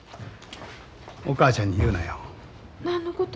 お母ちゃんに言うなよ。何のこと？